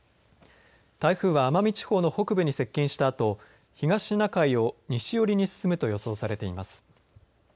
台風は奄美地方の北部に接近したあと東シナ海を西寄りに進むと予想されています。